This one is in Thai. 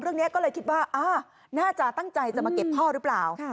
เรื่องนี้ก็เลยคิดว่าน่าจะตั้งใจจะมาเก็บพ่อหรือเปล่า